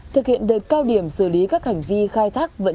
thực hiện đợt cao điểm sửa